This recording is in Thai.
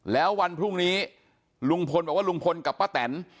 แล้ววันพรุ่งนี้ลุงพลบอกว่าลุงพลกับป้าแตน